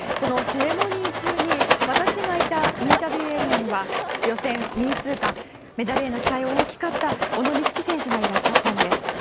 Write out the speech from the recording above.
セレモニー中に私がいたインタビューエリアには予選２位通過メダルへの期待も大きかった小野光希選手がいらっしゃったんです。